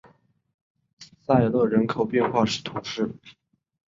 塞勒人口变化图示